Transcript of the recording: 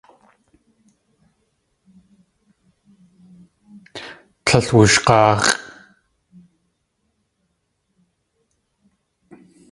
Tlél wushg̲áax̲ʼ.